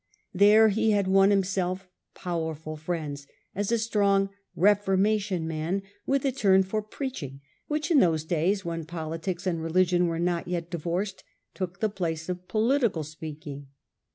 ^ There he had won himself powerful friends, as a strong " Reformation man " with a turn for preach ing, which in those days, when politics and religion were not yet divorced, took the place of political speaking.